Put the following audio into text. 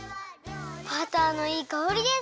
バターのいいかおりです。